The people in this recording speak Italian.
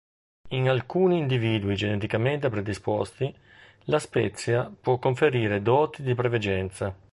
In alcuni individui geneticamente predisposti la spezia può conferire doti di preveggenza.